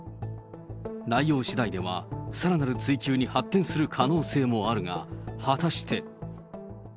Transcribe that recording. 内容しだいではさらなる追及に発展する可能性もあるが、果たして。